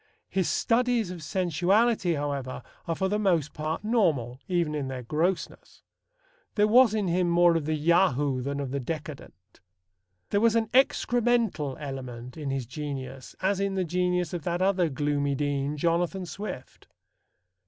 His studies of sensuality, however, are for the most part normal, even in their grossness. There was in him more of the Yahoo than of the decadent. There was an excremental element in his genius as in the genius of that other gloomy dean, Jonathan Swift.